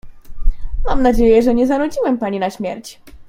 Mam nadzieję, że nie zanudziłem pani na śmierć.